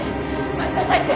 待ちなさいって！